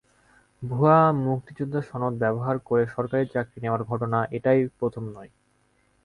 ভুয়া মুক্তিযোদ্ধা সনদ ব্যবহার করে সরকারি চাকরি নেওয়ার ঘটনা এটাই প্রথম নয়।